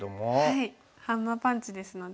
ハンマーパンチですので。